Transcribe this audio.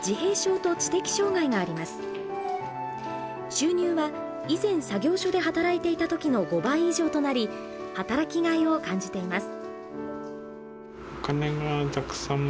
収入は以前作業所で働いていた時の５倍以上となり働きがいを感じています。